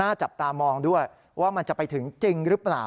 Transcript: จับตามองด้วยว่ามันจะไปถึงจริงหรือเปล่า